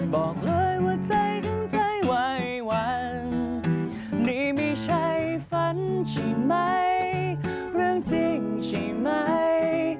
บอกเลยว่าใจของเธอเอยหวันนี่ไม่ใช่ฝันใช่มั้ยเรื่องจริงใช่มั้ย